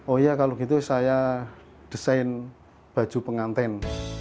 oh iya kalau begitu saya desain baju pengantin